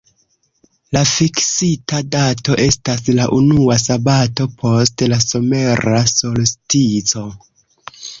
La fiksita dato estas la unua sabato post la somera solstico.